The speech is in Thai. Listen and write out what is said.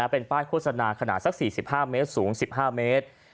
เป็นป้ายโฆษณาขนาดสัก๔๕เมตรสูง๑๕เมตร